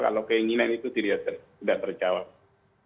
kalau keinginan itu tidak terjawab